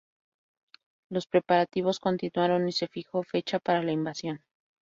Los preparativos continuaron y se fijó fecha para la invasión.